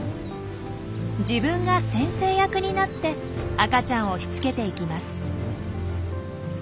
自分が先生役になって赤ちゃんをしつけていきます。